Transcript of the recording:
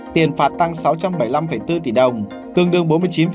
tiền phạt tăng sáu trăm bảy mươi năm bốn tỷ đồng tương đương bốn mươi chín